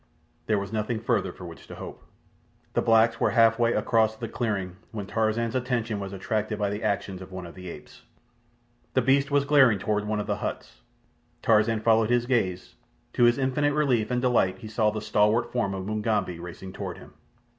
There was nothing further for which to hope. The blacks were half way across the clearing when Tarzan's attention was attracted by the actions of one of the apes. The beast was glaring toward one of the huts. Tarzan followed his gaze. To his infinite relief and delight he saw the stalwart form of Mugambi racing toward him.